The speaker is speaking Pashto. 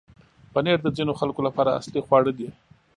پنېر د ځینو خلکو لپاره اصلي خواړه دی.